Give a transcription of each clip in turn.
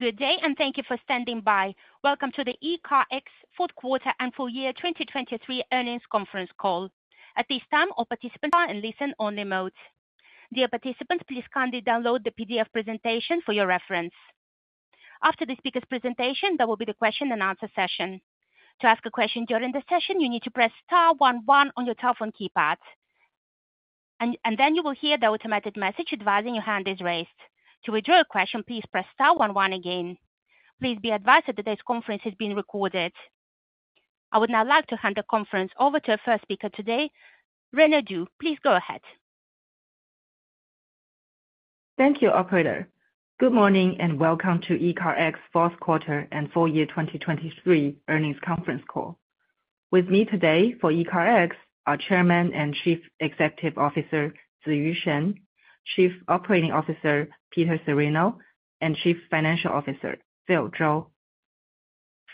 Good day and thank you for standing by. Welcome to the ECARX fourth quarter and full year 2023 earnings conference call. At this time, all participants are in listen-only mode. Dear participants, please kindly download the PDF presentation for your reference. After the speaker's presentation, there will be the question and answer session. To ask a question during the session, you need to press star one one on your telephone keypad, and then you will hear the automated message advising your hand is raised. To withdraw a question, please press star one one again. Please be advised that today's conference is being recorded. I would now like to hand the conference over to our first speaker today, Renee Du. Please go ahead. Thank you, Operator. Good morning and welcome to ECARX fourth quarter and full year 2023 earnings conference call. With me today for ECARX are Chairman and Chief Executive Officer Ziyu Shen, Chief Operating Officer Peter Cirino, and Chief Financial Officer Phil Zhou.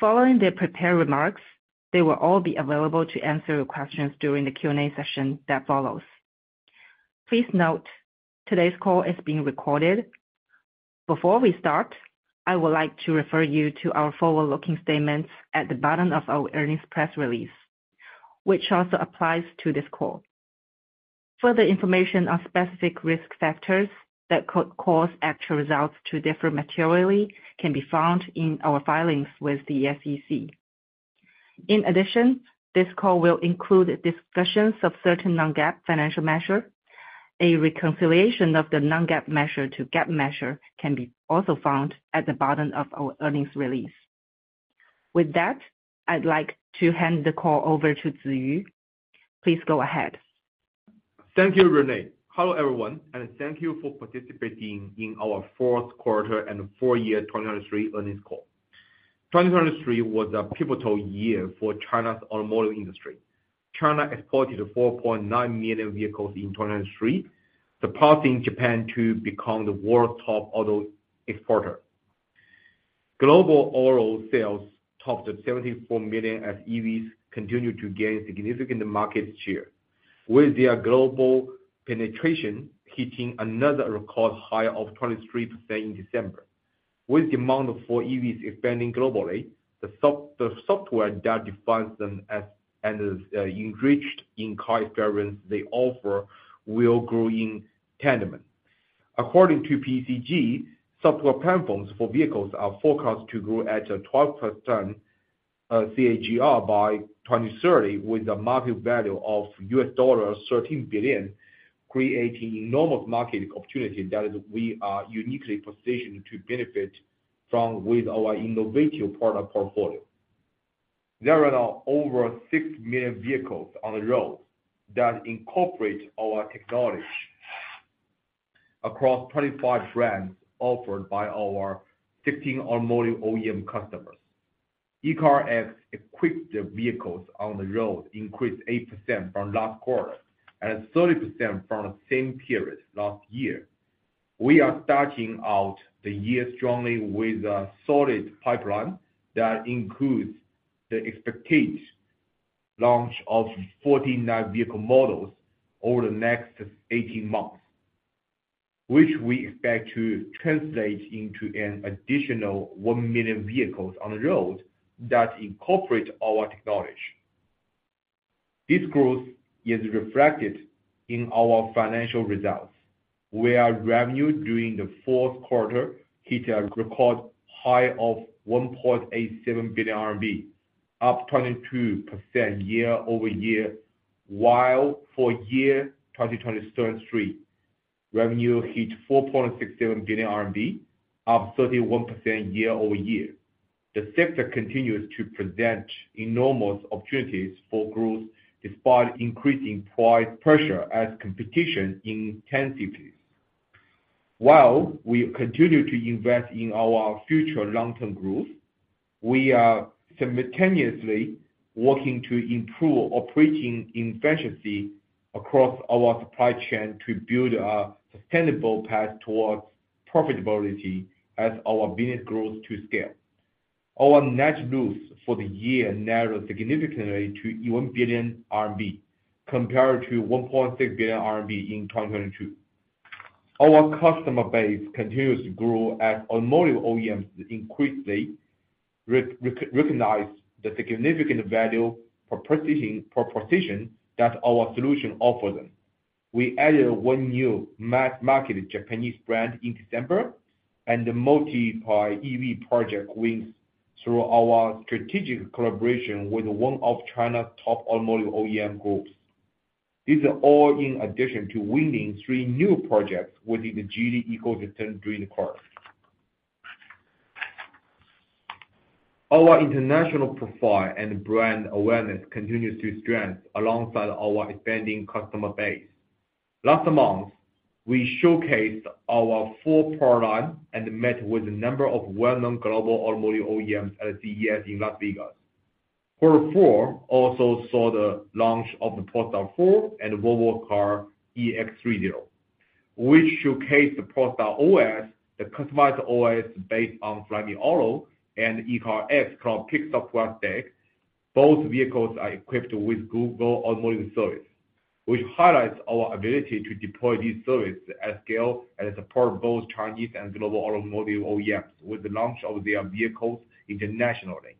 Following their prepared remarks, they will all be available to answer your questions during the Q&A session that follows. Please note, today's call is being recorded. Before we start, I would like to refer you to our forward-looking statements at the bottom of our earnings press release, which also applies to this call. Further information on specific risk factors that could cause actual results to differ materially can be found in our filings with the SEC. In addition, this call will include discussions of certain Non-GAAP financial measures. A reconciliation of the Non-GAAP measure to GAAP measure can be also found at the bottom of our earnings release. With that, I'd like to hand the call over to Ziyu. Please go ahead. Thank you, Renee. Hello everyone, and thank you for participating in our fourth quarter and full year 2023 earnings call. 2023 was a pivotal year for China's automotive industry. China exported 4.9 million vehicles in 2023, surpassing Japan to become the world's top auto exporter. global auto sales topped at 74 million as EVs continued to gain significant market share, with their global penetration hitting another record high of 23% in December. With demand for EVs expanding globally, the software that defines them and the enriched in-car experience they offer will grow intelligent. According to BCG, software platforms for vehicles are forecast to grow at 12% CAGR by 2030 with a market value of $13 billion, creating enormous market opportunity that we are uniquely positioned to benefit from with our innovative product portfolio. There are now over 6 million vehicles on the road that incorporate our technology across 25 brands offered by our 16 automotive OEM customers. ECARX equipped vehicles on the road increased 8% from last quarter and 30% from the same period last year. We are starting out the year strongly with a solid pipeline that includes the expected launch of 49 vehicle models over the next 18 months, which we expect to translate into an additional 1 million vehicles on the road that incorporate our technology. This growth is reflected in our financial results, where revenue during the fourth quarter hit a record high of 1.87 billion RMB, up 22% year-over-year, while for year 2023, revenue hit CNY 4.67 billion, up 31% year-over-year. The sector continues to present enormous opportunities for growth despite increasing price pressure as competition intensifies. While we continue to invest in our future long-term growth, we are simultaneously working to improve operating efficiency across our supply chain to build a sustainable path towards profitability as our business grows to scale. Our net loss for the year narrowed significantly to 1 billion RMB compared to 1.6 billion RMB in 2022. Our customer base continues to grow as automotive OEMs increasingly recognize the significant value proposition that our solution offers them. We added one new mass-marketed Japanese brand in December and multiplied EV project wins through our strategic collaboration with one of China's top automotive OEM groups. This is all in addition to winning three new projects within the Geely ecosystem during the quarter. Our international profile and brand awareness continues to strengthen alongside our expanding customer base. Last month, we showcased our full product line and met with a number of well-known global automotive OEMs at CES Las Vegas. Quarter four also saw the launch of the Polestar 4 and Volvo EX30, which showcased the Polestar OS, the customized OS based on Flyme Auto, and ECARX Cloudpeak Software Stack. Both vehicles are equipped with Google Automotive Services, which highlights our ability to deploy these services at scale and support both Chinese and global automotive OEMs with the launch of their vehicles internationally.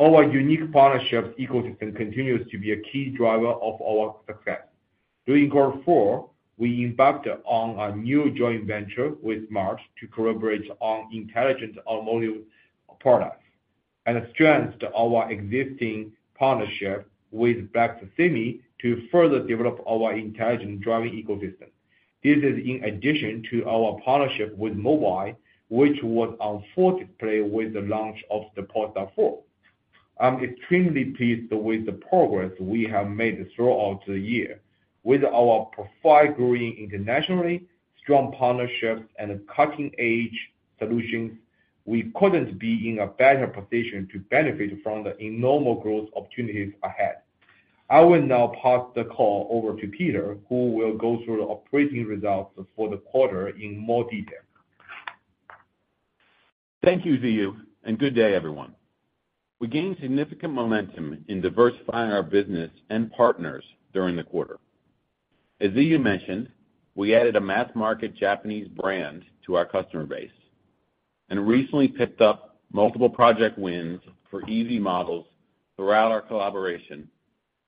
Our unique partnership ecosystem continues to be a key driver of our success. During Quarter four, we embarked on a new joint venture with smart to collaborate on intelligent automotive products and strengthened our existing partnership with Black Sesame Technologies to further develop our intelligent driving ecosystem. This is in addition to our partnership with Mobileye, which was on full display with the launch of the Polestar 4. I'm extremely pleased with the progress we have made throughout the year. With our profile growing internationally, strong partnerships, and cutting-edge solutions, we couldn't be in a better position to benefit from the enormous growth opportunities ahead. I will now pass the call over to Peter, who will go through the operating results for the quarter in more detail. Thank you, Ziyu, and good day, everyone. We gained significant momentum in diversifying our business and partners during the quarter. As Ziyu mentioned, we added a mass-marketed Japanese brand to our customer base and recently picked up multiple project wins for EV models throughout our collaboration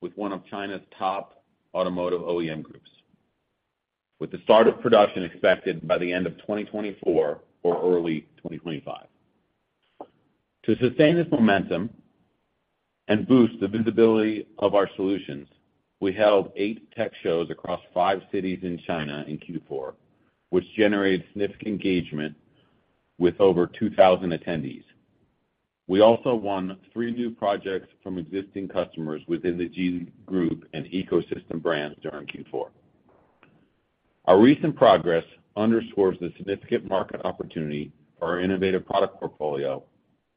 with one of China's top automotive OEM groups, with the start of production expected by the end of 2024 or early 2025. To sustain this momentum and boost the visibility of our solutions, we held eight tech shows across five cities in China in Q4, which generated significant engagement with over 2,000 attendees. We also won three new projects from existing customers within the Geely Group and ecosystem brands during Q4. Our recent progress underscores the significant market opportunity for our innovative product portfolio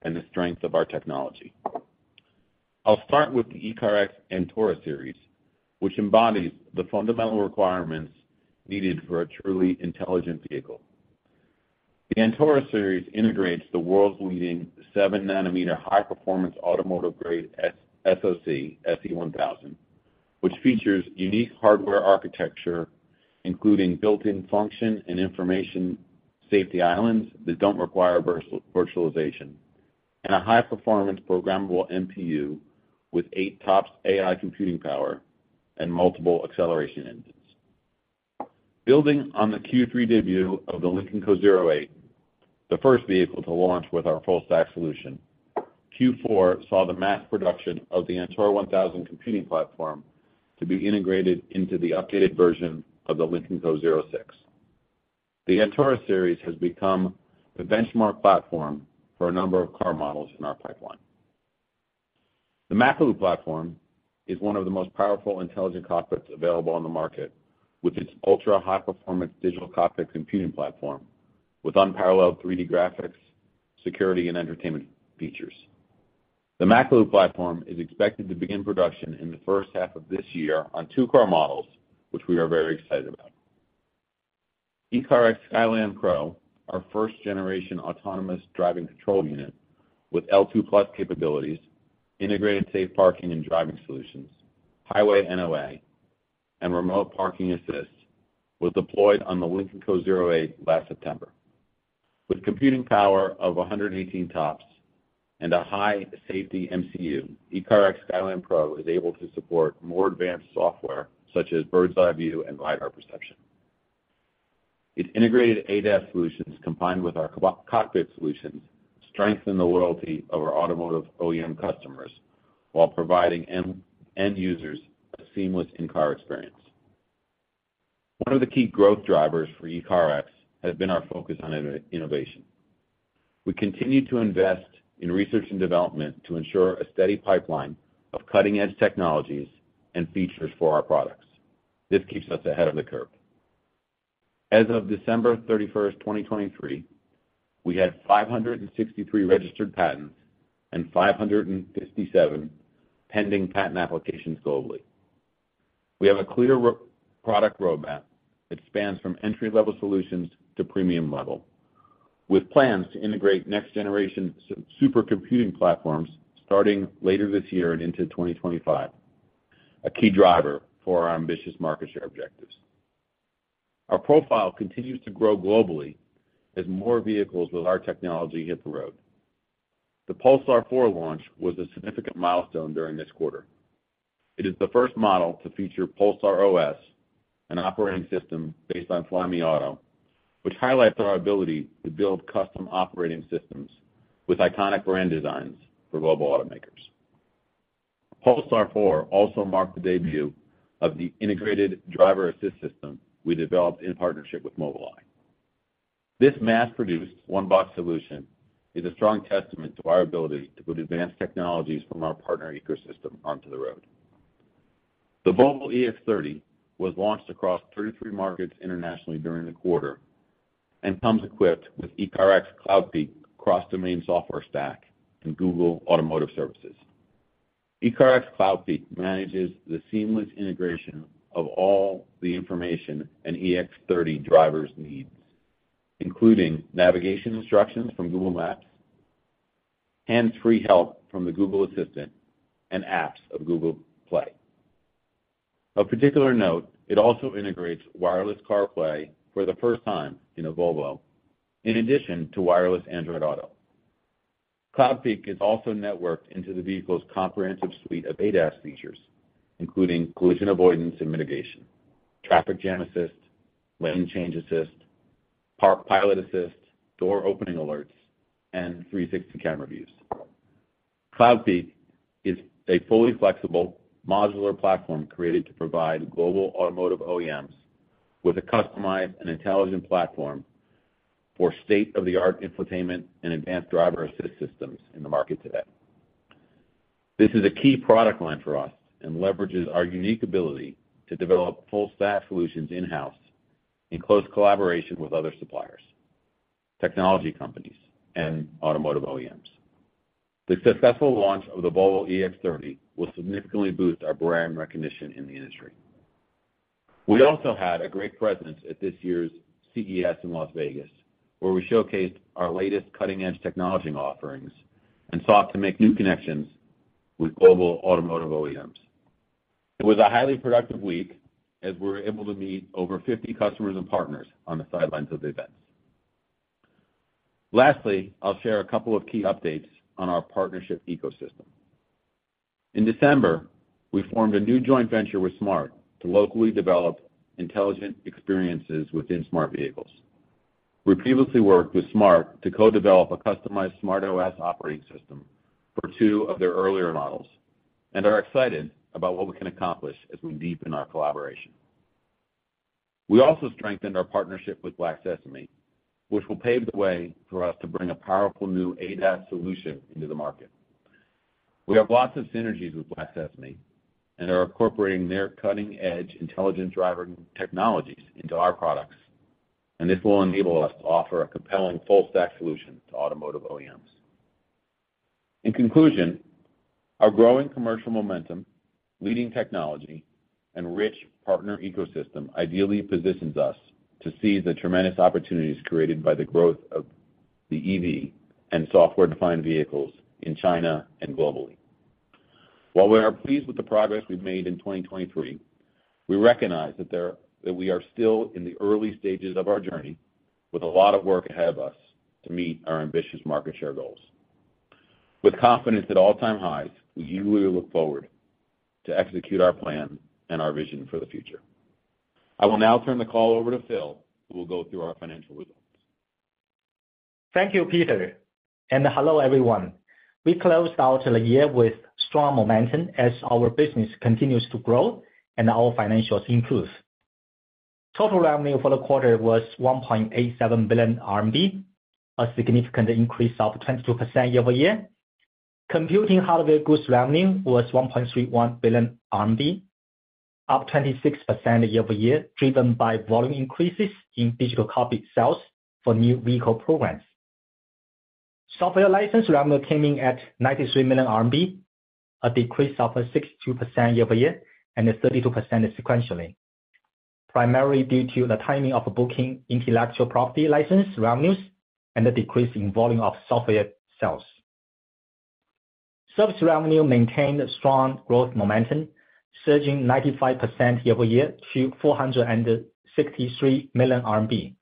and the strength of our technology. I'll start with the ECARX Antora series, which embodies the fundamental requirements needed for a truly intelligent vehicle. The Antora series integrates the world's leading 7-nanometer high-performance automotive-grade SoC SE1000, which features unique hardware architecture, including built-in function and information safety islands that don't require virtualization, and a high-performance programmable NPU with 8 TOPS AI computing power and multiple acceleration engines. Building on the Q3 debut of the Lynk & Co 08, the first vehicle to launch with our full-stack solution, Q4 saw the mass production of the Antora 1000 computing platform to be integrated into the updated version of the Lynk & Co 06. The Antora series has become the benchmark platform for a number of car models in our pipeline. The Makalu platform is one of the most powerful intelligent cockpits available on the market with its ultra-high-performance digital cockpit computing platform with unparalleled 3D graphics, security, and entertainment features. The Makalu platform is expected to begin production in the first half of this year on two car models, which we are very excited about. ECARX Skyland Pro, our first-generation autonomous driving control unit with L2+ capabilities, integrated safe parking and driving solutions, highway NOA, and remote parking assist, was deployed on the Lynk & Co 08 last September. With computing power of 118 TOPS and a high-safety MCU, ECARX Skyland Pro is able to support more advanced software such as bird's-eye view and lidar perception. Its integrated ADAS solutions combined with our cockpit solutions strengthen the loyalty of our automotive OEM customers while providing end users a seamless in-car experience. One of the key growth drivers for ECARX has been our focus on innovation. We continue to invest in research and development to ensure a steady pipeline of cutting-edge technologies and features for our products. This keeps us ahead of the curve. As of December 31st, 2023, we had 563 registered patents and 557 pending patent applications globally. We have a clear product roadmap that spans from entry-level solutions to premium level, with plans to integrate next-generation supercomputing platforms starting later this year and into 2025, a key driver for our ambitious market share objectives. Our profile continues to grow globally as more vehicles with our technology hit the road. The Polestar 4 launch was a significant milestone during this quarter. It is the first model to feature Polestar OS, an operating system based on Flyme Auto, which highlights our ability to build custom operating systems with iconic brand designs for global automakers. Polestar 4 also marked the debut of the integrated driver assist system we developed in partnership with Mobileye. This mass-produced one-box solution is a strong testament to our ability to put advanced technologies from our partner ecosystem onto the road. The Volvo EX30 was launched across 33 markets internationally during the quarter and comes equipped with ECARX Cloudpeak cross-domain software stack and Google Automotive Services. ECARX Cloudpeak manages the seamless integration of all the information an EX30 driver needs, including navigation instructions from Google Maps, hands-free help from the Google Assistant, and apps of Google Play. Of particular note, it also integrates wireless CarPlay for the first time in a Volvo, in addition to wireless Android Auto. Cloudpeak is also networked into the vehicle's comprehensive suite of ADAS features, including collision avoidance and mitigation, traffic jam assist, lane change assist, Park Pilot Assist, door opening alerts, and 360 camera views. Cloudpeak is a fully flexible modular platform created to provide global automotive OEMs with a customized and intelligent platform for state-of-the-art infotainment and advanced driver assist systems in the market today. This is a key product line for us and leverages our unique ability to develop full-stack solutions in-house in close collaboration with other suppliers, technology companies, and automotive OEMs. The successful launch of the Volvo EX30 will significantly boost our brand recognition in the industry. We also had a great presence at this year's CES in Las Vegas, where we showcased our latest cutting-edge technology offerings and sought to make new connections with global automotive OEMs. It was a highly productive week as we were able to meet over 50 customers and partners on the sidelines of the events. Lastly, I'll share a couple of key updates on our partnership ecosystem. In December, we formed a new joint venture with smart to locally develop intelligent experiences within smart vehicles. We previously worked with smart to co-develop a customized smart OS operating system for two of their earlier models and are excited about what we can accomplish as we deepen our collaboration. We also strengthened our partnership with Black Sesame, which will pave the way for us to bring a powerful new ADAS solution into the market. We have lots of synergies with Black Sesame and are incorporating their cutting-edge intelligent driving technologies into our products, and this will enable us to offer a compelling full-stack solution to automotive OEMs. In conclusion, our growing commercial momentum, leading technology, and rich partner ecosystem ideally positions us to seize the tremendous opportunities created by the growth of the EV and software-defined vehicles in China and globally. While we are pleased with the progress we've made in 2023, we recognize that we are still in the early stages of our journey, with a lot of work ahead of us to meet our ambitious market share goals. With confidence at all-time highs, we eagerly look forward to execute our plan and our vision for the future. I will now turn the call over to Phil, who will go through our financial results. Thank you, Peter. And hello, everyone. We closed out the year with strong momentum as our business continues to grow and our financials improve. Total revenue for the quarter was 1.87 billion RMB, a significant increase of 22% year-over-year. Computing hardware goods revenue was 1.31 billion RMB, up 26% year-over-year driven by volume increases in digital cockpit sales for new vehicle programs. Software license revenue came in at 93 million RMB, a decrease of 62% year-over-year and 32% sequentially, primarily due to the timing of booking intellectual property license revenues and the decrease in volume of software sales. Service revenue maintained strong growth momentum, surging 95% year-over-year to 463 million RMB.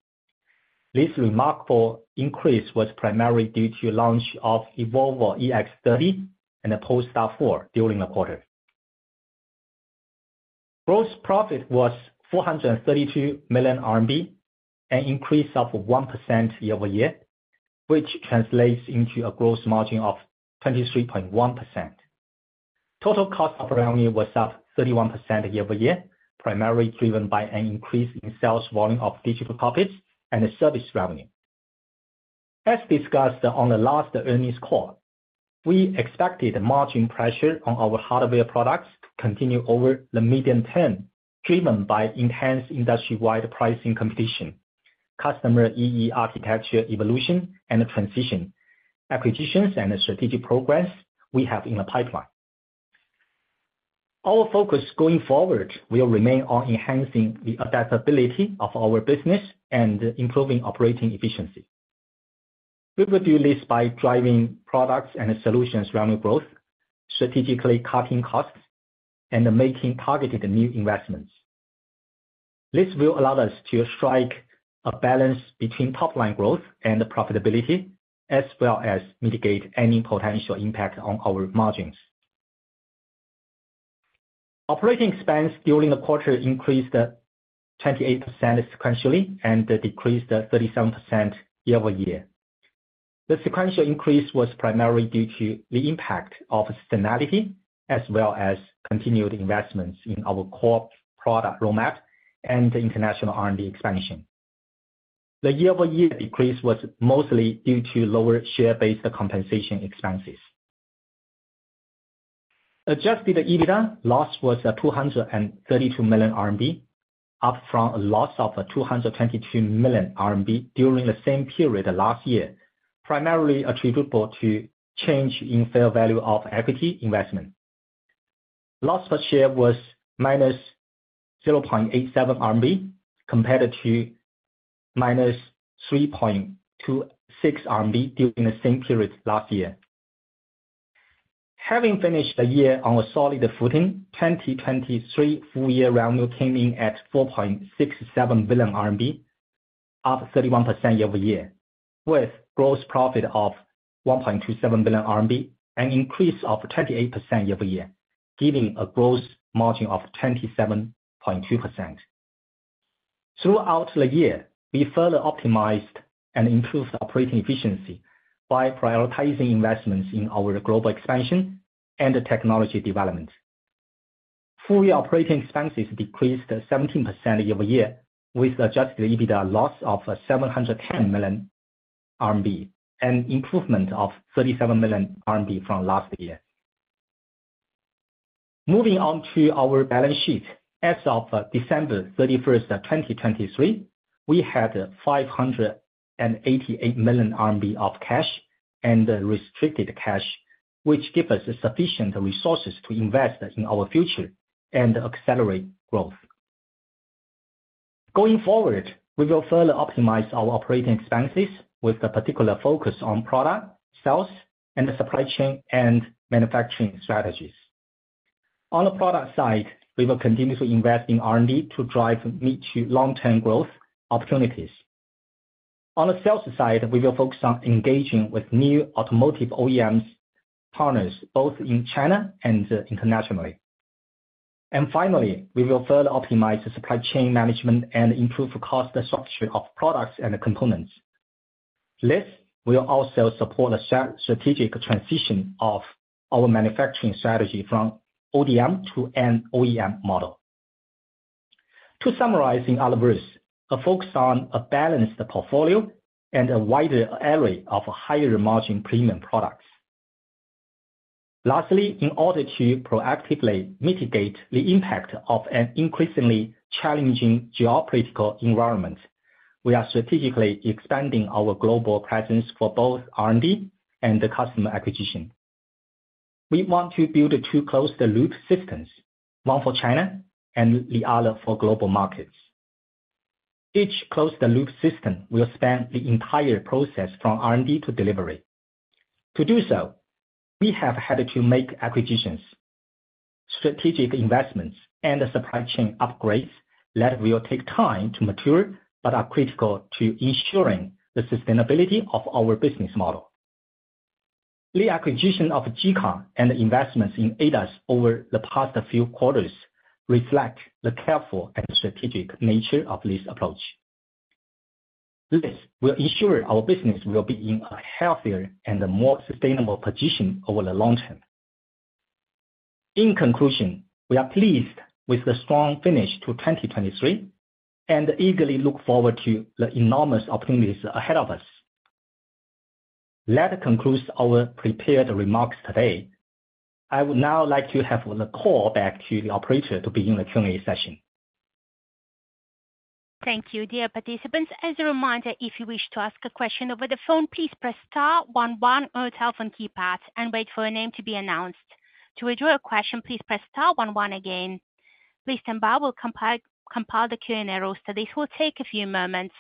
This remarkable increase was primarily due to launch of the Volvo EX30 and the Polestar 4 during the quarter. Gross profit was 432 million RMB, an increase of 1% year-over-year, which translates into a gross margin of 23.1%. Total cost of revenue was up 31% year-over-year, primarily driven by an increase in sales volume of digital cockpits and service revenue. As discussed on the last earnings call, we expected margin pressure on our hardware products to continue over the medium term, driven by intense industry-wide pricing competition, customer EE architecture evolution and transition, acquisitions, and strategic programs we have in the pipeline. Our focus going forward will remain on enhancing the adaptability of our business and improving operating efficiency. We will do this by driving products and solutions revenue growth, strategically cutting costs, and making targeted new investments. This will allow us to strike a balance between top-line growth and profitability, as well as mitigate any potential impact on our margins. Operating expense during the quarter increased 28% sequentially and decreased 37% year-over-year. The sequential increase was primarily due to the impact of seasonality, as well as continued investments in our core product roadmap and international R&D expansion. The year-over-year decrease was mostly due to lower share-based compensation expenses. Adjusted EBITDA loss was 232 million RMB, up from a loss of 222 million RMB during the same period last year, primarily attributable to change in fair value of equity investment. Loss per share was -0.87 RMB compared to -3.26 RMB during the same period last year. Having finished the year on a solid footing, 2023 full-year revenue came in at 4.67 billion RMB, up 31% year-over-year, with gross profit of 1.27 billion RMB, an increase of 28% year-over-year, giving a gross margin of 27.2%. Throughout the year, we further optimized and improved operating efficiency by prioritizing investments in our global expansion and technology development. Full-year operating expenses decreased 17% year-over-year, with adjusted EBITDA loss of 710 million RMB, an improvement of 37 million RMB from last year. Moving on to our balance sheet, as of December 31st, 2023, we had 588 million RMB of cash and restricted cash, which gives us sufficient resources to invest in our future and accelerate growth. Going forward, we will further optimize our operating expenses with a particular focus on product sales and supply chain and manufacturing strategies. On the product side, we will continue to invest in R&D to drive mid to long-term growth opportunities. On the sales side, we will focus on engaging with new automotive OEMs partners, both in China and internationally. And finally, we will further optimize supply chain management and improve cost structure of products and components. This will also support a strategic transition of our manufacturing strategy from ODM to an OEM model. To summarize in other words, a focus on a balanced portfolio and a wider area of higher margin premium products. Lastly, in order to proactively mitigate the impact of an increasingly challenging geopolitical environment, we are strategically expanding our global presence for both R&D and customer acquisition. We want to build two closed-loop systems, one for China and the other for global markets. Each closed-loop system will span the entire process from R&D to delivery. To do so, we have had to make acquisitions, strategic investments and supply chain upgrades that will take time to mature but are critical to ensuring the sustainability of our business model. The acquisition of ECARX and investments in ADAS over the past few quarters reflect the careful and strategic nature of this approach. This will ensure our business will be in a healthier and more sustainable position over the long term. In conclusion, we are pleased with the strong finish to 2023 and eagerly look forward to the enormous opportunities ahead of us. Let's conclude our prepared remarks today. I would now like to have the call back to the operator to begin the Q&A session. Thank you, dear participants. As a reminder, if you wish to ask a question over the phone, please press star one one on your telephone keypad and wait for your name to be announced. To address a question, please press star one one again. I will now compile the Q&A roster. This will take a few moments.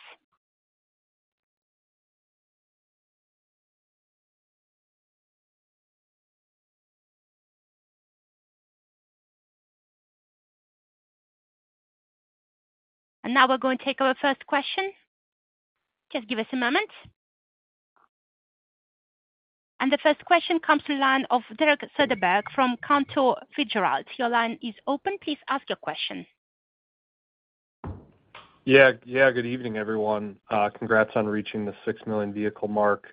And now we're going to take our first question. Just give us a moment. And the first question comes from the line of Derek Soderberg from Cantor Fitzgerald. Your line is open. Please ask your question. Yeah, good evening, everyone. Congrats on reaching the six million vehicle mark.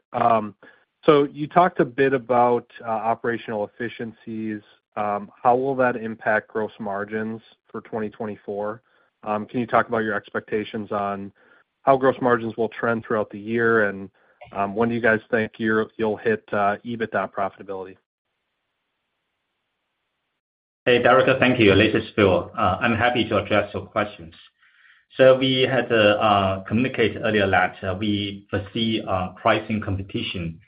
So you talked a bit about operational efficiencies. How will that impact gross margins for 2024? Can you talk about your expectations on how gross margins will trend throughout the year and when do you guys think you'll hit EBITDA profitability? Hey, Derek, thank you. This is Phil. I'm happy to address your questions. We had communicated earlier that we foresee pricing competition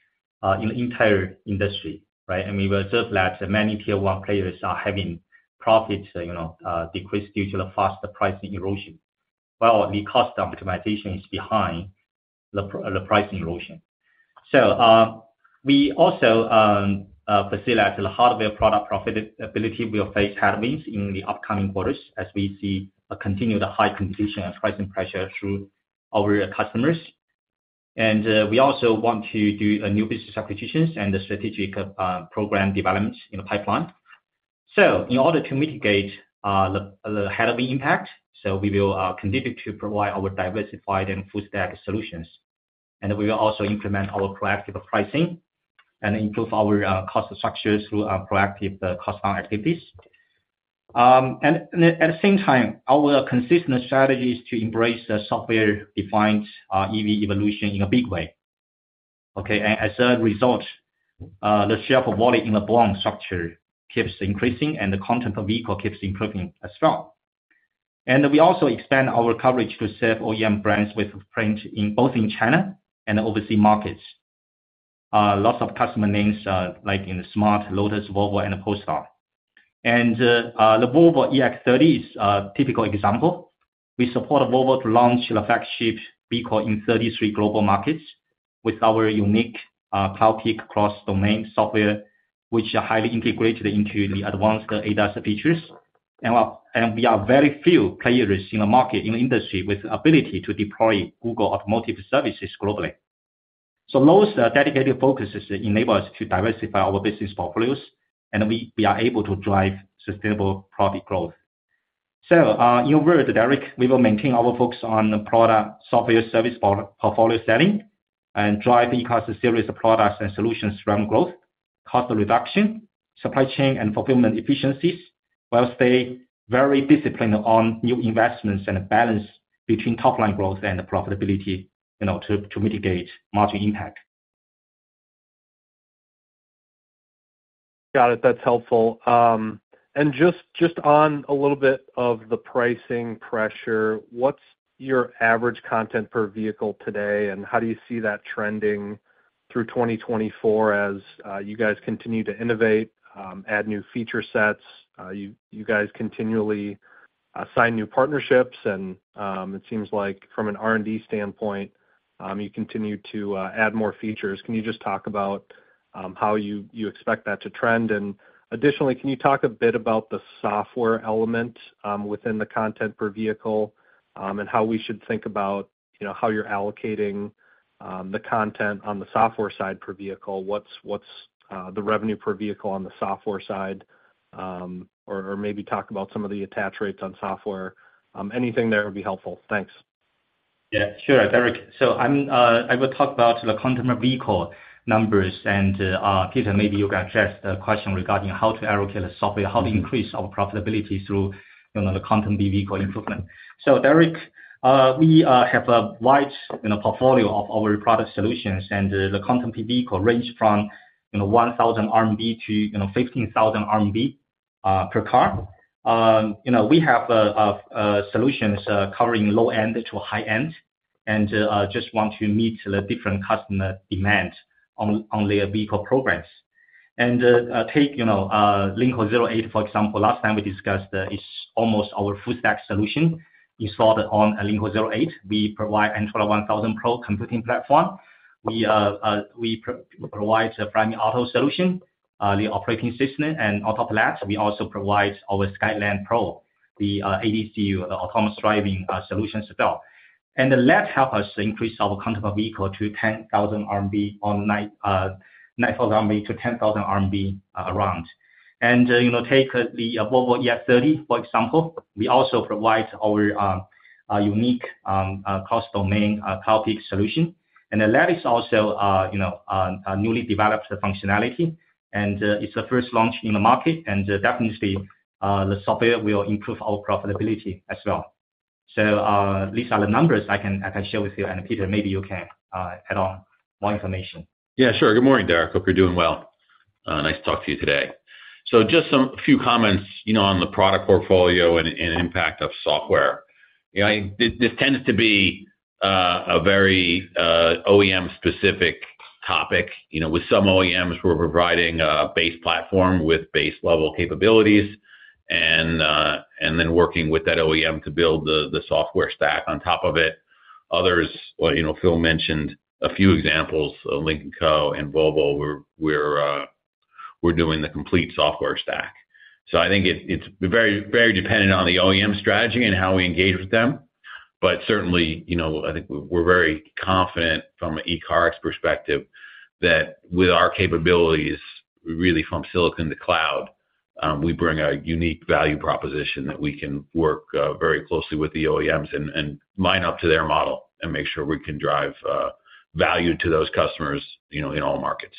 in the entire industry, right? We will observe that many Tier 1 players are having profits decrease due to the faster pricing erosion. Well, the cost optimization is behind the pricing erosion. We also foresee that the hardware product profitability will face headwinds in the upcoming quarters as we see continued high competition and pricing pressure through our customers. We also want to do new business acquisitions and strategic program developments in the pipeline. In order to mitigate the headwind impact, we will continue to provide our diversified and full-stack solutions. We will also implement our proactive pricing and improve our cost structure through proactive cost-down activities. At the same time, our consistent strategy is to embrace software-defined EV evolution in a big way. Okay? As a result, the share of volume in the BOM structure keeps increasing and the content per vehicle keeps improving as well. We also expand our coverage to sub-OEM brands both in China and overseas markets. Lots of customer names like in the smart, Lotus, Volvo, and Polestar. The Volvo EX30 is a typical example. We support Volvo to launch the flagship vehicle in 33 global markets with our unique Cloudpeak cross-domain software, which is highly integrated into the advanced ADAS features. We are very few players in the market, in the industry, with the ability to deploy Google Automotive Services globally. Those dedicated focuses enable us to diversify our business portfolios, and we are able to drive sustainable profit growth. In your words, Derek, we will maintain our focus on product software service portfolio selling and drive ecosystem-service products and solutions from growth, cost reduction, supply chain, and fulfillment efficiencies, while staying very disciplined on new investments and a balance between top-line growth and profitability to mitigate margin impact. Got it. That's helpful. Just on a little bit of the pricing pressure, what's your average content per vehicle today, and how do you see that trending through 2024 as you guys continue to innovate, add new feature sets, you guys continually sign new partnerships? It seems like from an R&D standpoint, you continue to add more features. Can you just talk about how you expect that to trend? Additionally, can you talk a bit about the software element within the content per vehicle and how we should think about how you're allocating the content on the software side per vehicle? What's the revenue per vehicle on the software side? Or maybe talk about some of the attach rates on software. Anything there would be helpful. Thanks. Yeah, sure, Derek. So I will talk about the content per vehicle numbers. And Peter, maybe you can address the question regarding how to allocate the software, how to increase our profitability through the content per vehicle improvement. So Derek, we have a wide portfolio of our product solutions, and the content per vehicle range from 1,000-15,000 RMB per car. We have solutions covering low-end to high-end and just want to meet the different customer demands on their vehicle programs. And take Lynk & Co 08, for example. Last time we discussed, it's almost our full-stack solution installed on a Lynk & Co 08. We provide Antora 1000 Pro computing platform. We provide a Flyme Auto solution, the operating system, and on top of that, we also provide our Skyland Pro, the ADCU autonomous driving solutions as well. And that helps us increase our content per vehicle to around CNY 9,000. Take the Volvo EX30, for example. We also provide our unique cross-domain Cloudpeak solution. That is also a newly developed functionality. It's the first launch in the market. Definitely, the software will improve our profitability as well. So these are the numbers I can share with you. Peter, maybe you can add on more information. Yeah, sure. Good morning, Derek. Hope you're doing well. Nice to talk to you today. So just a few comments on the product portfolio and impact of software. This tends to be a very OEM-specific topic. With some OEMs, we're providing a base platform with base-level capabilities and then working with that OEM to build the software stack on top of it. Others, Phil mentioned a few examples, Lynk & Co and Volvo, we're doing the complete software stack. I think it's very dependent on the OEM strategy and how we engage with them. But certainly, I think we're very confident from an ECARX perspective that with our capabilities, we really from silicon to cloud. We bring a unique value proposition that we can work very closely with the OEMs and line up to their model and make sure we can drive value to those customers in all markets.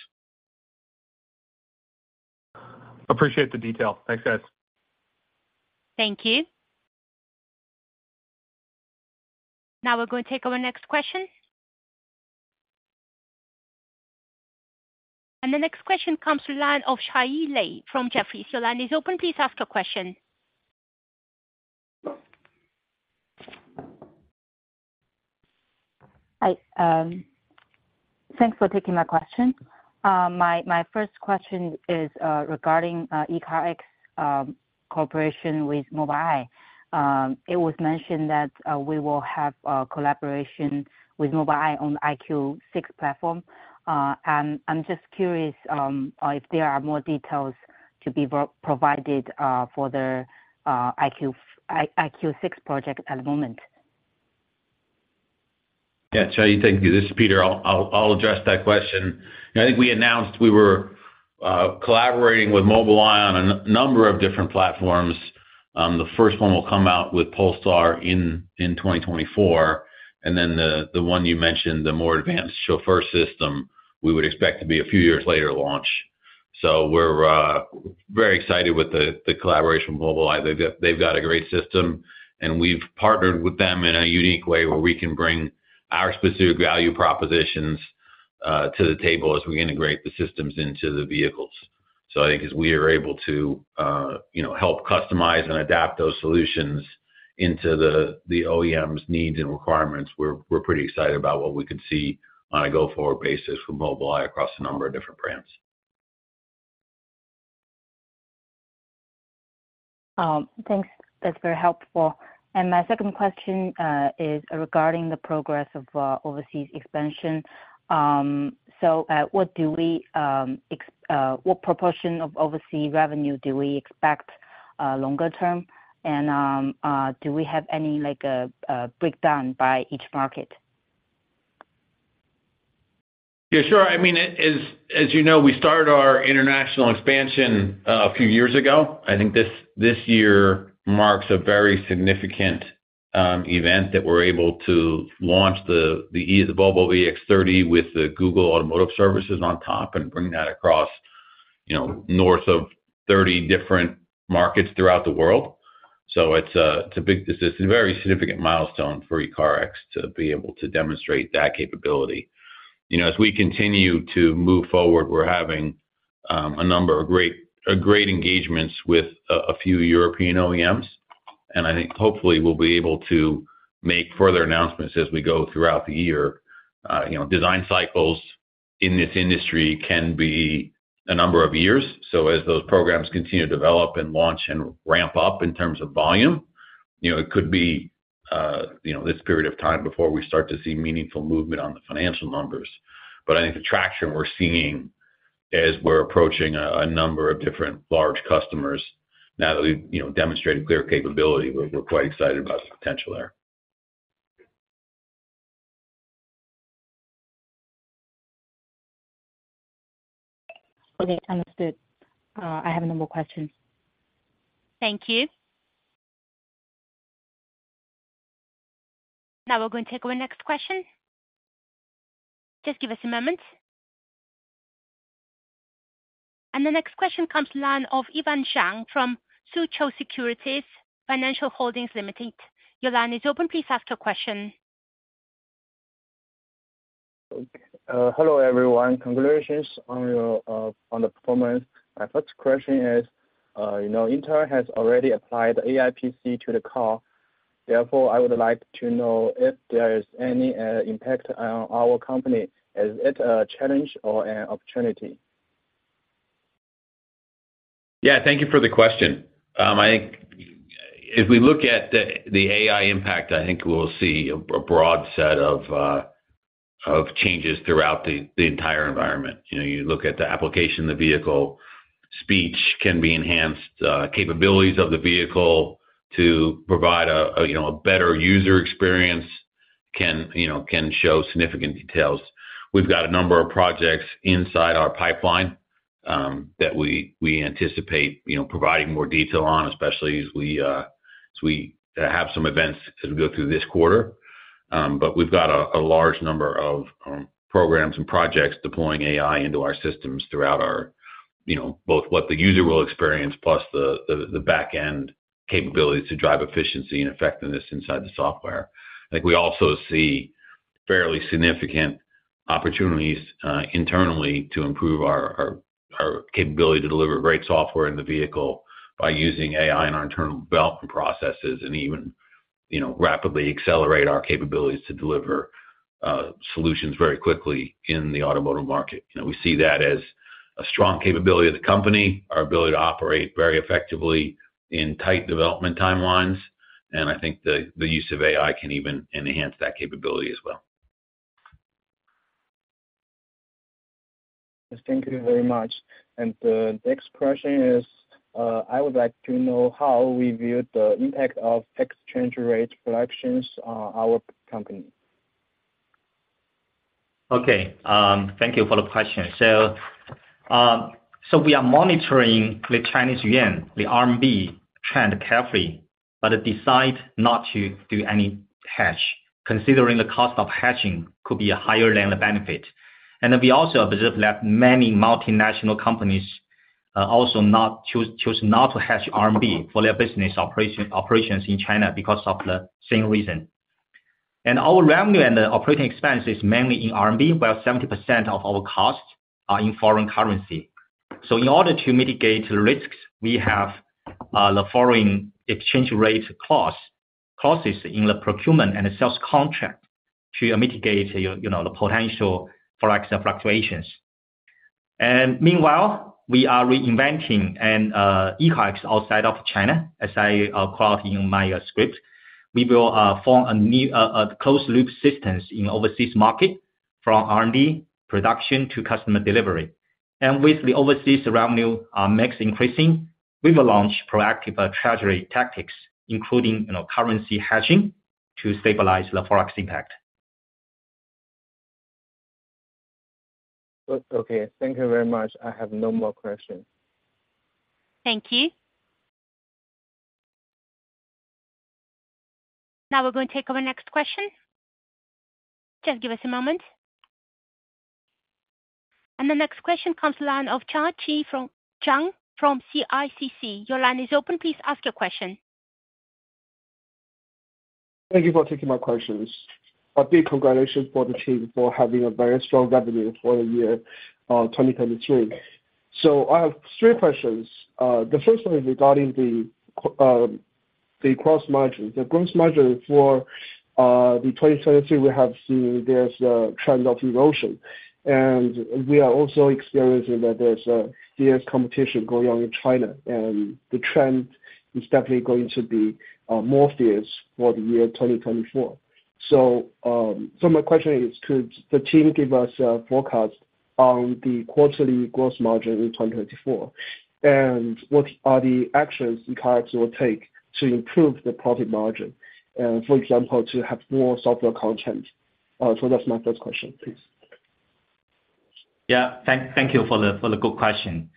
Appreciate the detail. Thanks, guys. Thank you. Now we're going to take our next question. The next question comes from the line of Sheila from Jefferies. Your line is open. Please ask your question. Hi. Thanks for taking my question. My first question is regarding ECARX cooperation with Mobileye. It was mentioned that we will have a collaboration with Mobileye on the EyeQ6 platform. I'm just curious if there are more details to be provided for the EyeQ6 project at the moment. Yeah, Sheila, thank you. This is Peter. I'll address that question. I think we announced we were collaborating with Mobileye on a number of different platforms. The first one will come out with Polestar in 2024. And then the one you mentioned, the more advanced Chauffeur system, we would expect to be a few years later launched. So we're very excited with the collaboration with Mobileye. They've got a great system. And we've partnered with them in a unique way where we can bring our specific value propositions to the table as we integrate the systems into the vehicles. So I think as we are able to help customize and adapt those solutions into the OEM's needs and requirements, we're pretty excited about what we could see on a go-forward basis from Mobileye across a number of different brands. Thanks. That's very helpful. And my second question is regarding the progress of overseas expansion. So what proportion of overseas revenue do we expect longer term? And do we have any breakdown by each market? Yeah, sure. I mean, as you know, we started our international expansion a few years ago. I think this year marks a very significant event that we're able to launch the Volvo EX30 with the Google Automotive Services on top and bring that across north of 30 different markets throughout the world. So it's a very significant milestone for ECARX to be able to demonstrate that capability. As we continue to move forward, we're having a number of great engagements with a few European OEMs. And I think hopefully, we'll be able to make further announcements as we go throughout the year. Design cycles in this industry can be a number of years. So as those programs continue to develop and launch and ramp up in terms of volume, it could be this period of time before we start to see meaningful movement on the financial numbers. But I think the traction we're seeing as we're approaching a number of different large customers now that we've demonstrated clear capability, we're quite excited about the potential there. Okay, understood. I have a number of questions. Thank you. Now we're going to take our next question. Just give us a moment. The next question comes from the line of Ivan Zhang from Soochow Securities. Your line is open. Please ask your question. Hello, everyone. Congratulations on the performance. My first question is, Intel has already applied AI PC to the car. Therefore, I would like to know if there is any impact on our company. Is it a challenge or an opportunity? Yeah, thank you for the question. I think if we look at the AI impact, I think we'll see a broad set of changes throughout the entire environment. You look at the application of the vehicle, speech can be enhanced, capabilities of the vehicle to provide a better user experience can show significant details. We've got a number of projects inside our pipeline that we anticipate providing more detail on, especially as we have some events as we go through this quarter. But we've got a large number of programs and projects deploying AI into our systems throughout both what the user will experience plus the backend capabilities to drive efficiency and effectiveness inside the software. I think we also see fairly significant opportunities internally to improve our capability to deliver great software in the vehicle by using AI in our internal development processes and even rapidly accelerate our capabilities to deliver solutions very quickly in the automotive market. We see that as a strong capability of the company, our ability to operate very effectively in tight development timelines. I think the use of AI can even enhance that capability as well. Yes, thank you very much. The next question is, I would like to know how we view the impact of exchange rate fluctuations on our company. Okay. Thank you for the question. We are monitoring the Chinese yuan, the RMB, trend carefully, but decide not to do any hedge, considering the cost of hedging could be higher than the benefit. We also observe that many multinational companies also choose not to hedge RMB for their business operations in China because of the same reason. Our revenue and the operating expense is mainly in RMB, while 70% of our costs are in foreign currency. In order to mitigate the risks, we have the foreign exchange rate clauses in the procurement and the sales contract to mitigate the potential forex fluctuations. Meanwhile, we are reinventing ECARX outside of China. As I quote in my script, "We will form a closed-loop system in the overseas market from R&D production to customer delivery." With the overseas revenue mix increasing, we will launch proactive treasury tactics, including currency hedging to stabilize the forex impact. Okay. Thank you very much. I have no more questions. Thank you. Now we're going to take our next question. Just give us a moment. The next question comes from the line of Zhang from CICC. Your line is open. Please ask your question. Thank you for taking my questions. A big congratulations for the team for having a very strong revenue for the year 2023. So I have three questions. The first one is regarding the gross margin. The gross margin for the 2023, we have seen there's a trend of erosion. And we are also experiencing that there's fierce competition going on in China. And the trend is definitely going to be more fierce for the year 2024. So my question is, could the team give us a forecast on the quarterly gross margin in 2024? And what are the actions ECARX will take to improve the profit margin? For example, to have more software content. So that's my first question. Please. Yeah. Thank you for the good question.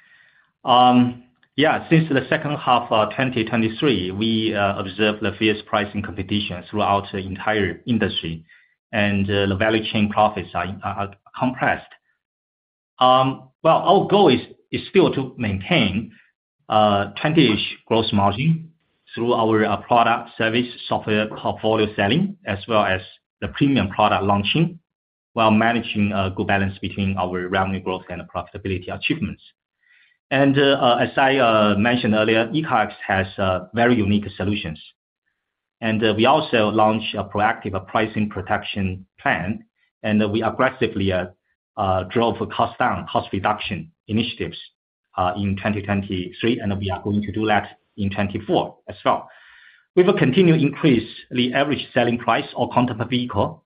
Yeah, since the second half of 2023, we observe the fierce pricing competition throughout the entire industry. The value chain profits are compressed. Well, our goal is still to maintain 20-ish gross margin through our product, service, software portfolio selling, as well as the premium product launching while managing a good balance between our revenue growth and profitability achievements. As I mentioned earlier, ECARX has very unique solutions. We also launched a proactive pricing protection plan. We aggressively drove cost down, cost reduction initiatives in 2023. We are going to do that in 2024 as well. We will continue to increase the average selling price or content per vehicle.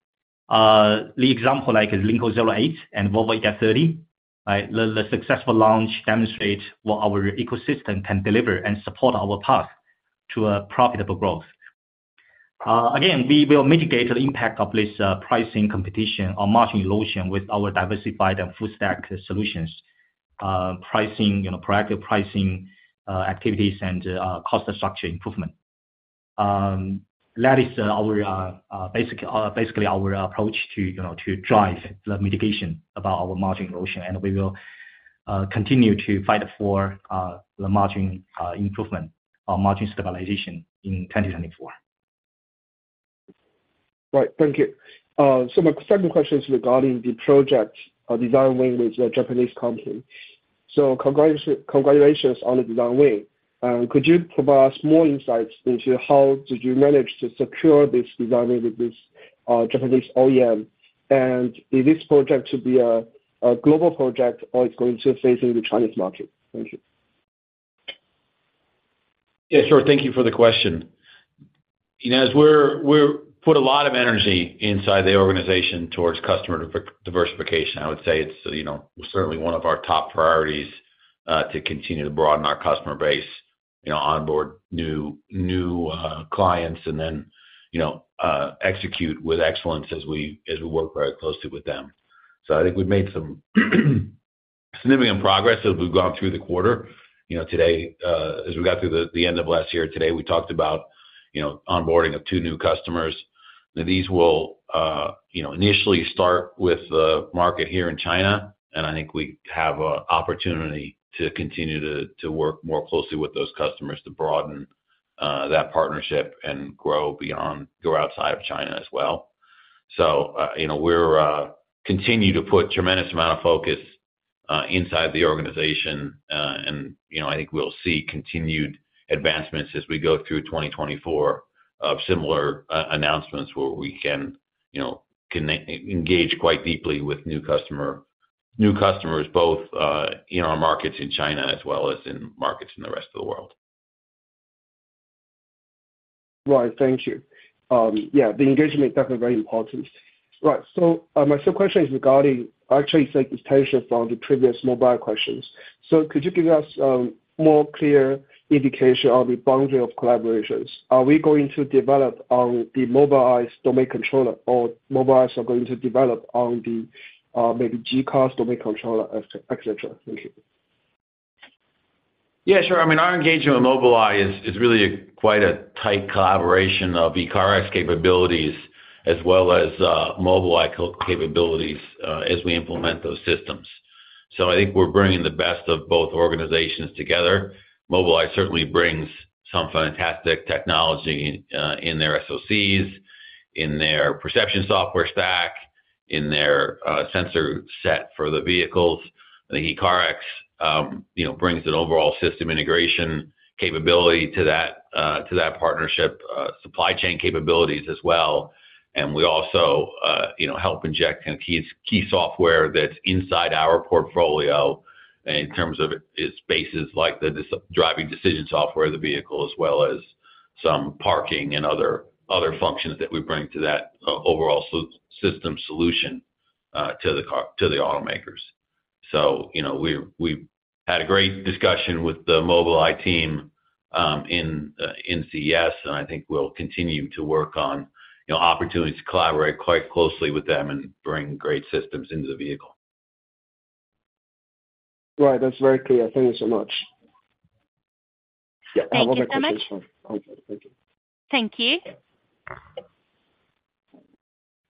The example is Lynk & Co 08 and Volvo EX30. The successful launch demonstrates what our ecosystem can deliver and support our path to profitable growth. Again, we will mitigate the impact of this pricing competition or margin erosion with our diversified and full-stack solutions, proactive pricing activities, and cost structure improvement. That is basically our approach to drive the mitigation about our margin erosion. We will continue to fight for the margin improvement or margin stabilization in 2024. Right. Thank you. So my second question is regarding the project design win with the Japanese company. So congratulations on the design win. Could you provide us more insights into how did you manage to secure this design win with this Japanese OEM? And is this project to be a global project, or it's going to face the Chinese market? Thank you. Yeah, sure. Thank you for the question. As we put a lot of energy inside the organization towards customer diversification, I would say it's certainly one of our top priorities to continue to broaden our customer base, onboard new clients, and then execute with excellence as we work very closely with them. So I think we've made some significant progress as we've gone through the quarter. Today, as we got through the end of last year, today, we talked about onboarding of two new customers. Now, these will initially start with the market here in China. And I think we have an opportunity to continue to work more closely with those customers to broaden that partnership and grow outside of China as well. So we'll continue to put a tremendous amount of focus inside the organization. I think we'll see continued advancements as we go through 2024 of similar announcements where we can engage quite deeply with new customers, both in our markets in China as well as in markets in the rest of the world. Right. Thank you. Yeah, the engagement is definitely very important. Right. So my second question is regarding actually extension from the previous Mobileye questions. So could you give us more clear indication on the boundary of collaborations? Are we going to develop on the Mobileye's domain controller, or Mobileye is going to develop on the maybe ECARX's domain controller, etc.? Thank you. Yeah, sure. I mean, our engagement with Mobileye is really quite a tight collaboration of ECARX capabilities as well as Mobileye capabilities as we implement those systems. So I think we're bringing the best of both organizations together. Mobileye certainly brings some fantastic technology in their SoCs, in their perception software stack, in their sensor set for the vehicles. ECARX brings an overall system integration capability to that partnership, supply chain capabilities as well. And we also help inject key software that's inside our portfolio in terms of its bases like the driving decision software of the vehicle as well as some parking and other functions that we bring to that overall system solution to the automakers. So we've had a great discussion with the Mobileye team in CES. I think we'll continue to work on opportunities to collaborate quite closely with them and bring great systems into the vehicle. Right. That's very clear. Thank you so much. Thank you. Thank you.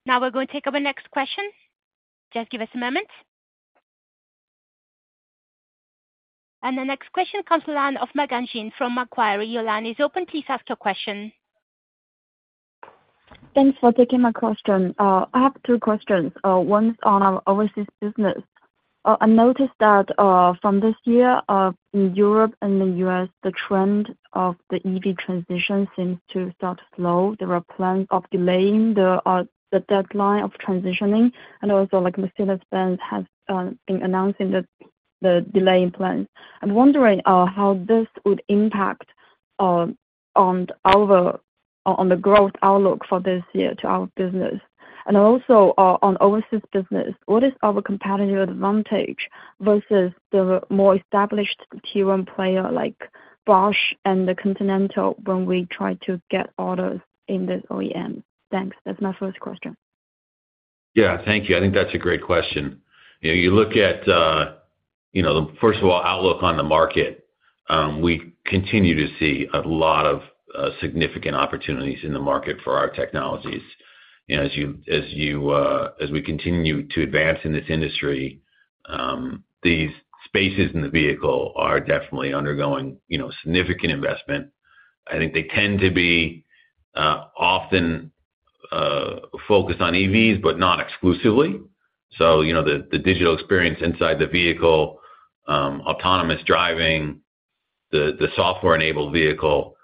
Now we're going to take our next question. Just give us a moment. The next question comes from the line of Meghan Zheng from Macquarie. Your line is open. Please ask your question. Thanks for taking my question. I have two questions. One is on our overseas business. I noticed that from this year in Europe and the U.S., the trend of the EV transition seems to start to slow. There are plans of delaying the deadline of transitioning. And also, Mercedes-Benz has been announcing the delaying plans. I'm wondering how this would impact on the growth outlook for this year to our business. And also, on overseas business, what is our competitive advantage versus the more established T1 player like Bosch and the Continental when we try to get orders in this OEM? Thanks. That's my first question. Yeah, thank you. I think that's a great question. You look at, first of all, outlook on the market, we continue to see a lot of significant opportunities in the market for our technologies. As we continue to advance in this industry, these spaces in the vehicle are definitely undergoing significant investment. I think they tend to be often focused on EVs, but not exclusively. So the digital experience inside the vehicle, autonomous driving, the software-enabled vehicle,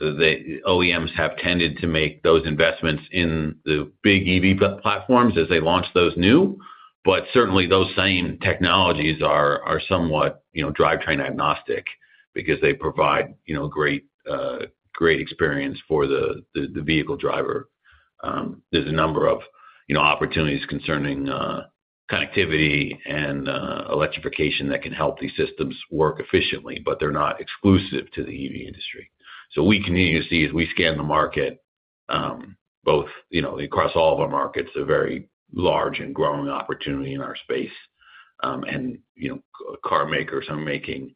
the OEMs have tended to make those investments in the big EV platforms as they launch those new. But certainly, those same technologies are somewhat drivetrain agnostic because they provide great experience for the vehicle driver. There's a number of opportunities concerning connectivity and electrification that can help these systems work efficiently, but they're not exclusive to the EV industry. So we continue to see, as we scan the market, both across all of our markets, a very large and growing opportunity in our space. Car makers are making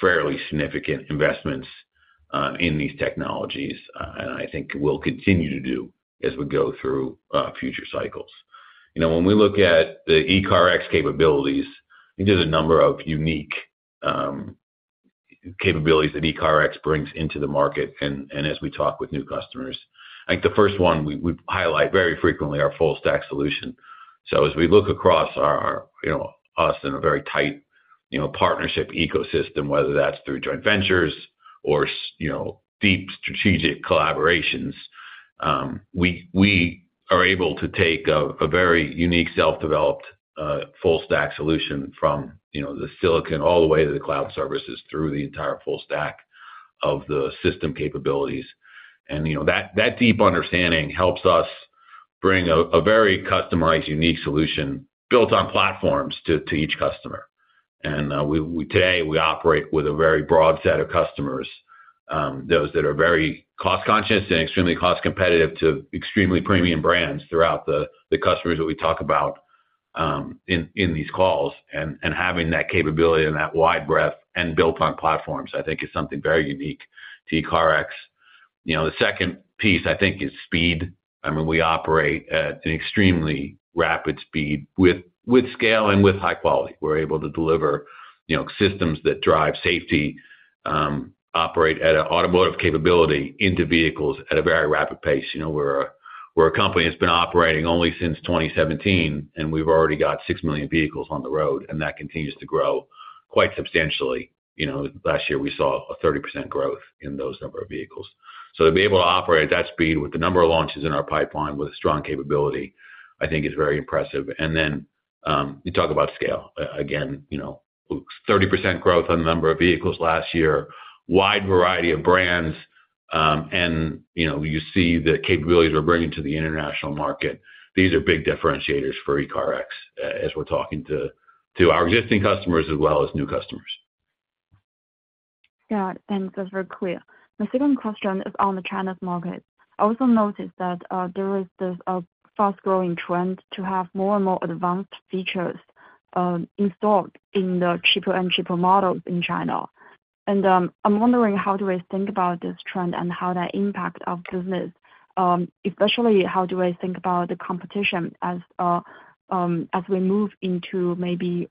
fairly significant investments in these technologies. I think we'll continue to do as we go through future cycles. When we look at the ECARX capabilities, I think there's a number of unique capabilities that ECARX brings into the market. As we talk with new customers, I think the first one, we highlight very frequently our full-stack solution. So as we look across us in a very tight partnership ecosystem, whether that's through joint ventures or deep strategic collaborations, we are able to take a very unique self-developed full-stack solution from the silicon all the way to the cloud services through the entire full-stack of the system capabilities. That deep understanding helps us bring a very customized, unique solution built on platforms to each customer. Today, we operate with a very broad set of customers, those that are very cost-conscious and extremely cost-competitive to extremely premium brands throughout the customers that we talk about in these calls. Having that capability and that wide breadth and built on platforms, I think, is something very unique to ECARX. The second piece, I think, is speed. I mean, we operate at an extremely rapid speed with scale and with high quality. We're able to deliver systems that drive safety, operate at an automotive capability into vehicles at a very rapid pace. We're a company that's been operating only since 2017. We've already got six million vehicles on the road. That continues to grow quite substantially. Last year, we saw a 30% growth in those number of vehicles. So to be able to operate at that speed with the number of launches in our pipeline with a strong capability, I think, is very impressive. And then you talk about scale. Again, 30% growth on the number of vehicles last year, wide variety of brands. And you see the capabilities we're bringing to the international market. These are big differentiators for ECARX as we're talking to our existing customers as well as new customers. Got it. Thanks. That's very clear. My second question is on the China's market. I also noticed that there is this fast-growing trend to have more and more advanced features installed in the cheaper and cheaper models in China. And I'm wondering, how do we think about this trend and how that impacts our business? Especially, how do we think about the competition as we move into maybe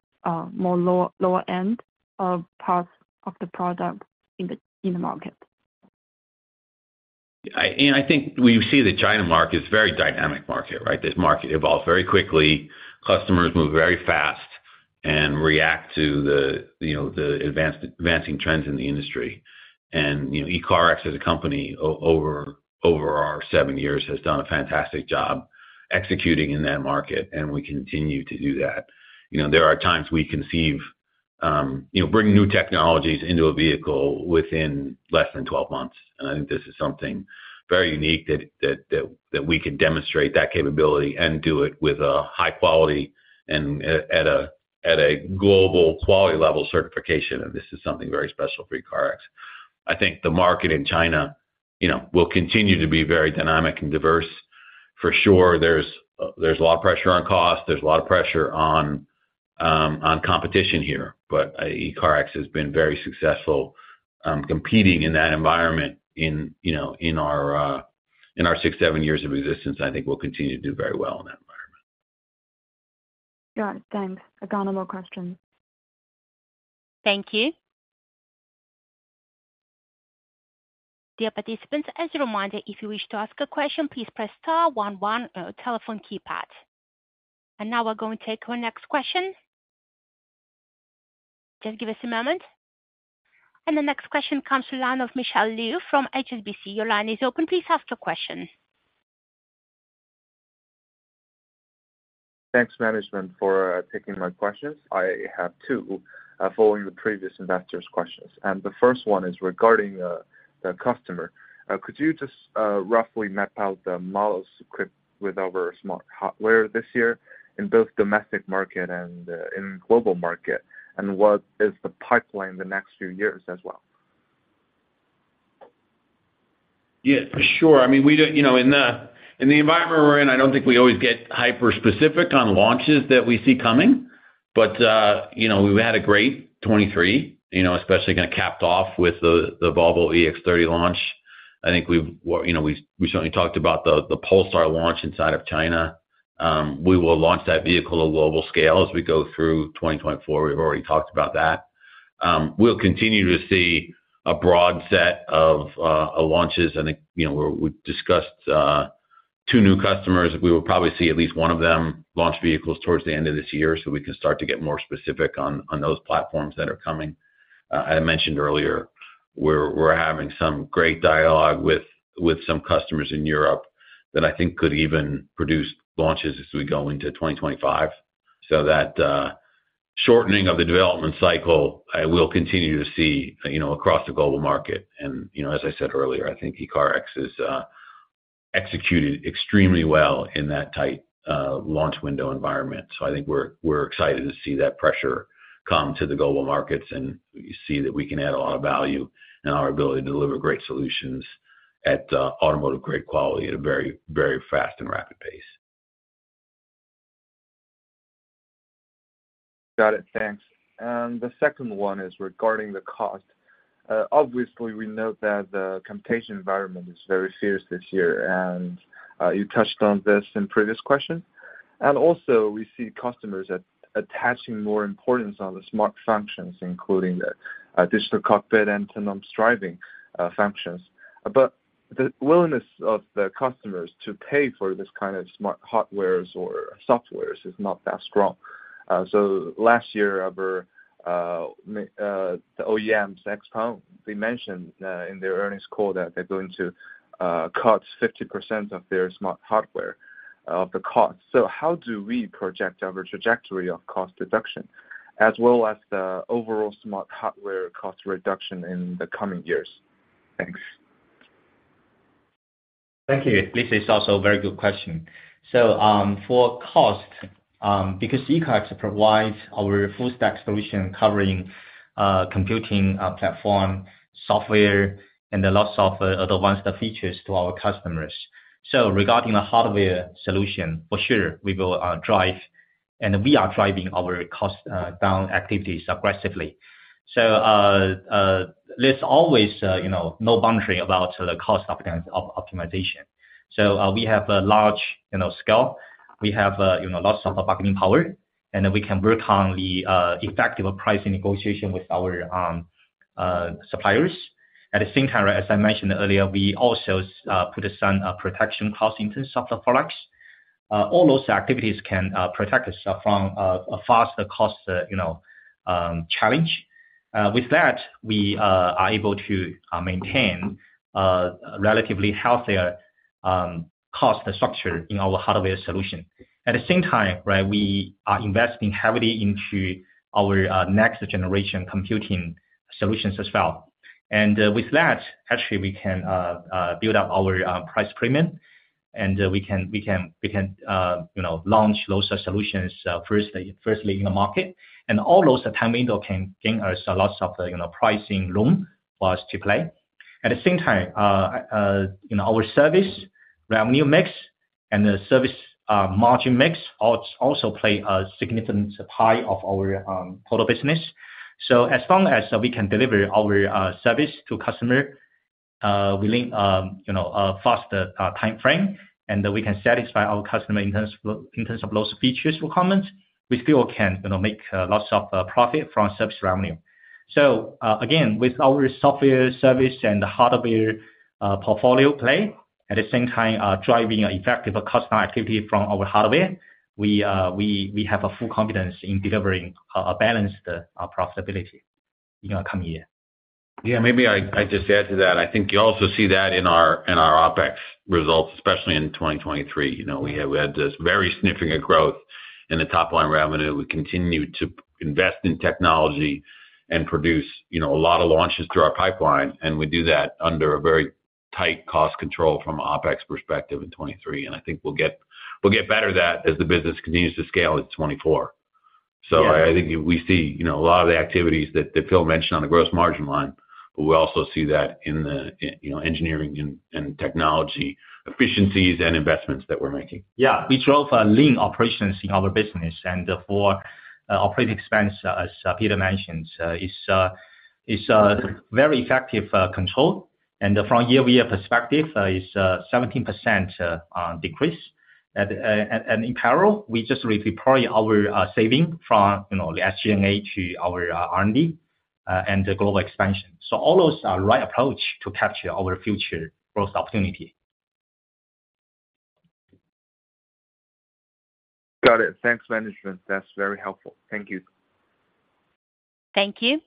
more lower-end parts of the product in the market? Yeah. And I think we see the China market is a very dynamic market, right? This market evolves very quickly. Customers move very fast and react to the advancing trends in the industry. And ECARX, as a company, over our seven years has done a fantastic job executing in that market. And we continue to do that. There are times we conceive bringing new technologies into a vehicle within less than 12 months. And I think this is something very unique that we can demonstrate that capability and do it with a high quality and at a global quality-level certification. And this is something very special for ECARX. I think the market in China will continue to be very dynamic and diverse, for sure. There's a lot of pressure on cost. There's a lot of pressure on competition here. But ECARX has been very successful competing in that environment in our 6-7 years of existence. I think we'll continue to do very well in that environment. Got it. Thanks. I've got no more questions. Thank you. Dear participants, as a reminder, if you wish to ask a question, please press star one one or telephone keypad. Now we're going to take our next question. Just give us a moment. The next question comes from the line of Michael Liu from HSBC. Your line is open. Please ask your question. Thanks, management, for taking my questions. I have two following the previous investor's questions. The first one is regarding the customer. Could you just roughly map out the model mix with our smart hardware this year in both domestic market and in global market? What is the pipeline the next few years as well? Yeah, for sure. I mean, in the environment we're in, I don't think we always get hyper-specific on launches that we see coming. But we've had a great 2023, especially kind of capped off with the Volvo EX30 launch. I think we certainly talked about the Polestar launch inside of China. We will launch that vehicle at a global scale as we go through 2024. We've already talked about that. We'll continue to see a broad set of launches. And we discussed two new customers. We will probably see at least one of them launch vehicles towards the end of this year. So we can start to get more specific on those platforms that are coming. As I mentioned earlier, we're having some great dialogue with some customers in Europe that I think could even produce launches as we go into 2025. So that shortening of the development cycle, we'll continue to see across the global market. And as I said earlier, I think ECARX has executed extremely well in that tight launch window environment. So I think we're excited to see that pressure come to the global markets and see that we can add a lot of value in our ability to deliver great solutions at automotive-grade quality at a very, very fast and rapid pace. Got it. Thanks. The second one is regarding the cost. Obviously, we note that the competition environment is very fierce this year. You touched on this in previous questions. Also, we see customers attaching more importance on the smart functions, including the digital cockpit and autonomous driving functions. But the willingness of the customers to pay for this kind of smart hardwares or softwares is not that strong. So last year, the OEMs, XPeng, they mentioned in their earnings call that they're going to cut 50% of their smart hardware of the cost. So how do we project our trajectory of cost reduction as well as the overall smart hardware cost reduction in the coming years? Thanks. Thank you. This is also a very good question. So for cost, because ECARX provides our full-stack solution covering computing platform, software, and a lot of other advanced features to our customers. So regarding the hardware solution, for sure, we will drive and we are driving our cost-down activities aggressively. So there's always no boundary about the cost of optimization. So we have a large scale. We have lots of bargaining power. We can work on the effective pricing negotiation with our suppliers. At the same time, as I mentioned earlier, we also put some protection costs into software products. All those activities can protect us from a faster cost challenge. With that, we are able to maintain a relatively healthier cost structure in our hardware solution. At the same time, we are investing heavily into our next-generation computing solutions as well. With that, actually, we can build up our price premium. We can launch those solutions firstly in the market. All those time windows can gain us lots of pricing room for us to play. At the same time, our service revenue mix and the service margin mix also play a significant part of our total business. As long as we can deliver our service to customers within a faster time frame and we can satisfy our customer in terms of those features requirements, we still can make lots of profit from service revenue. Again, with our software service and the hardware portfolio play, at the same time, driving an effective customer activity from our hardware, we have full confidence in delivering a balanced profitability in our coming year. Yeah. Maybe I just add to that. I think you also see that in our OpEx results, especially in 2023. We had this very significant growth in the top-line revenue. We continue to invest in technology and produce a lot of launches through our pipeline. And we do that under a very tight cost control from an OpEx perspective in 2023. And I think we'll get better at that as the business continues to scale into 2024. So I think we see a lot of the activities that Phil mentioned on the gross margin line, but we also see that in the engineering and technology efficiencies and investments that we're making. Yeah. We drive lean operations in our business. For operating expense, as Peter mentioned, it's a very effective control. From a year-to-year perspective, it's a 17% decrease. In parallel, we just redeploy our savings from the SG&A to our R&D and global expansion. So all those are the right approach to capture our future growth opportunity. Got it. Thanks, management. That's very helpful. Thank you. Thank you.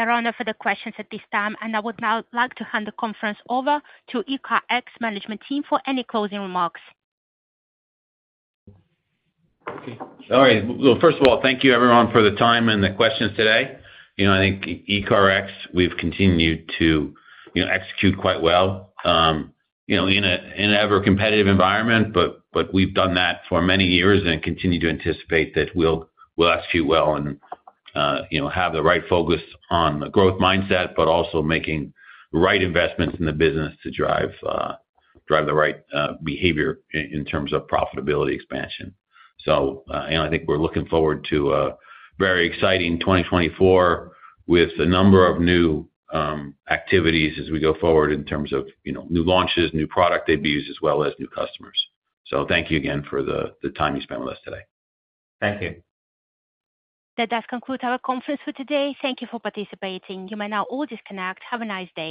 There are no further questions at this time. I would now like to hand the conference over to ECARX management team for any closing remarks. All right. Well, first of all, thank you, everyone, for the time and the questions today. I think ECARX, we've continued to execute quite well in an ever-competitive environment. But we've done that for many years and continue to anticipate that we'll execute well and have the right focus on the growth mindset, but also making the right investments in the business to drive the right behavior in terms of profitability expansion. So I think we're looking forward to a very exciting 2024 with a number of new activities as we go forward in terms of new launches, new product debuts, as well as new customers. So thank you again for the time you spent with us today. Thank you. That does conclude our conference for today. Thank you for participating. You may now all disconnect. Have a nice day.